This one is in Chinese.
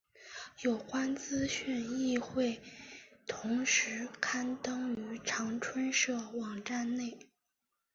有关资讯亦会同时刊登于长春社网站内。